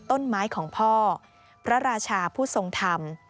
ต้นไม้ของพ่อพระราชาผู้ทรงธรรม